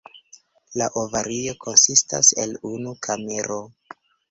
La ovario konsistas el unu kamero.